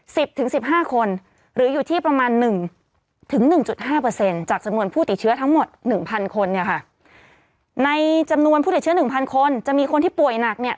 สิบถึงสิบห้าคนหรืออยู่ที่ประมาณหนึ่งถึงหนึ่งจุดห้าเปอร์เซ็นต์จากจำนวนผู้ติดเชื้อทั้งหมดหนึ่งพันคนเนี่ยค่ะในจำนวนผู้ติดเชื้อหนึ่งพันคนจะมีคนที่ป่วยหนักเนี่ย